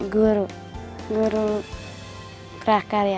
guru guru kerah karya